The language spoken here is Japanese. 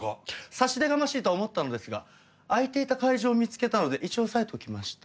差し出がましいとは思ったのですが空いていた会場を見つけたので一応押さえておきました。